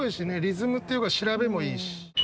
リズムっていうか調べもいいし。